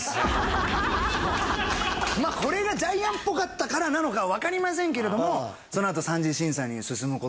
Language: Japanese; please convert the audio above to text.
まあこれがジャイアンっぽかったからなのかはわかりませんけれどもそのあと３次審査に進む事ができて。